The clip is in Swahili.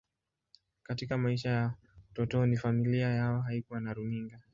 Katika maisha yake ya utotoni, familia yao haikuwa na runinga.